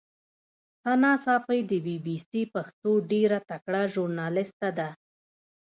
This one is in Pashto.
ثنا ساپۍ د بي بي سي پښتو ډېره تکړه ژورنالیسټه ده.